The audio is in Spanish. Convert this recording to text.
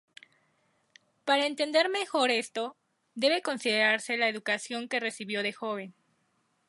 Para entender mejor esto, debe considerarse la educación que recibió de joven.